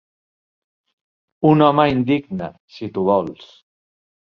Un home indigne, si tu vols;